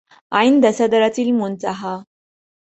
عند سدرة المنتهى